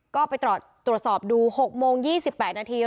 ก็ไปตรวจสอบดู๖โมง๒๘นาที